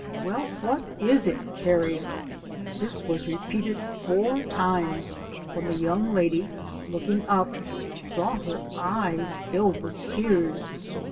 "Well, what is it, Harriet?" This was repeated four times, when the young lady, looking up, saw her eyes filled with tears.